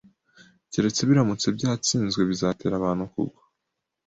keretse biramutse byatsinzwe bizatera abantu kugwa